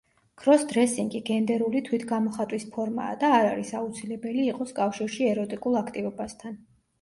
ქროს-დრესინგი გენდერული თვითგამოხატვის ფორმაა და არ არის აუცილებელი იყოს კავშირში ეროტიკულ აქტივობასთან.